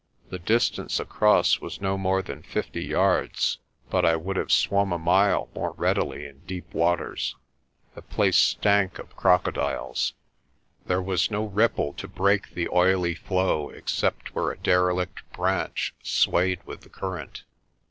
The dis tance across was no more than fifty yards but I would have swum a mile more readily in deep waters. The place stank COLLAR OF PRESTER JOHN 171 of crocodiles. There was no ripple to break the oily flow except where a derelict branch swayed with the current.